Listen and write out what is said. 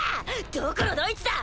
どこのどいつだ。